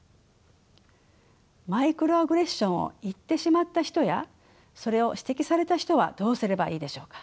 マイクロアグレッションを言ってしまった人やそれを指摘された人はどうすればいいでしょうか。